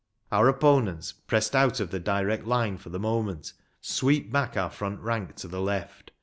Our opponents, pressed out of the direct line for the moment, sweep back our front rank to the left.